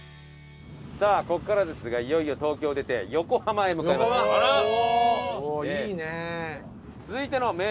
さあここからですがいよいよ東京を出て横浜へ向かいます。